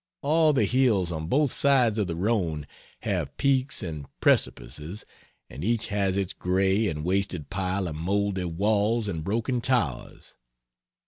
All the hills on both sides of the Rhone have peaks and precipices, and each has its gray and wasted pile of mouldy walls and broken towers.